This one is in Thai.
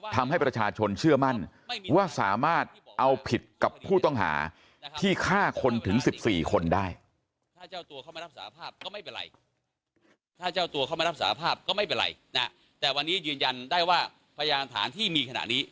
ทำให้ประชาชนเชื่อมั่นว่าสามารถเอาผิดกับผู้ต้องหาที่ฆ่าคนถึง๑๔คนได้